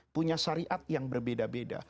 punya syariat yang berbeda beda